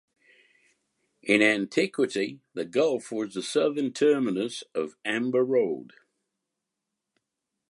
In antiquity the gulf was southern terminus of Amber Road.